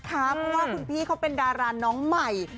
เพราะว่าคุณพี่เขาเป็นดาราน้องใหม่